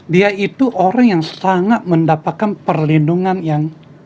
dia itu orang yang sangat mendapatkan perlindungan yang